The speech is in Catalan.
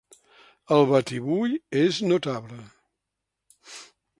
El batibull és notable.